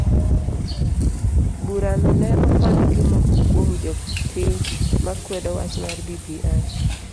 Burano ne omak gi moko kuom jopiny ma kwedo wach mar bbi.